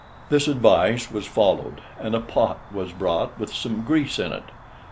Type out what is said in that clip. This advice was followed, and a pot was brought with some grease in it.